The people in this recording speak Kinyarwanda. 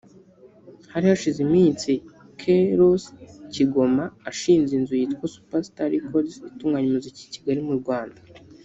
Hari hashize iminsi K-Ross Kigoma ashinze inzu yitwa Super Star Records itunganya umuziki i Kigali mu Rwanda